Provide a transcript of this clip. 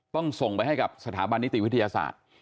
ต้องส่งไปให้กับสถาบันนิติวิทยาศาสตร์